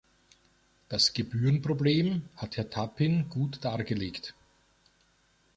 Das Gebührenproblem hat Herr Tappin gut dargelegt.